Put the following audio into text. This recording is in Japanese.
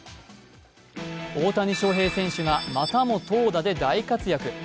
大谷翔平選手がまたも投打で大活躍。